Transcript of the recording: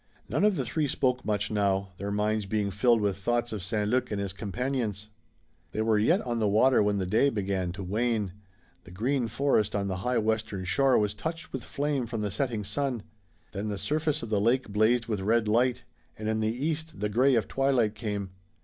None of the three spoke much now, their minds being filled with thoughts of St. Luc and his companions. They were yet on the water when the day began to wane. The green forest on the high western shore was touched with flame from the setting sun. Then the surface of the lake blazed with red light, and in the east the gray of twilight came.